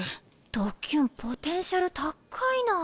ドキュンポテンシャル高いな。